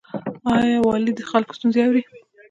آیا والي د خلکو ستونزې اوري؟